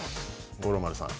五郎丸さん